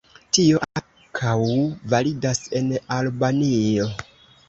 Tio ankaŭ validas en Albanio.